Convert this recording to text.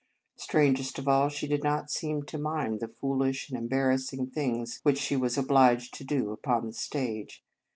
Strangest of all, she did not seem to mind the foolish and embar rassing things which she was obliged to do upon the stage.